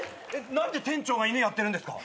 何で店長が犬やってるんですか？